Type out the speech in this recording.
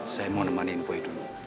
saya mau nemanin boy dulu